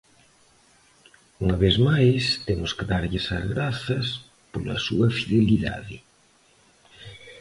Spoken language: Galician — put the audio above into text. Unha vez máis temos que darlles as grazas pola súa fidelidade.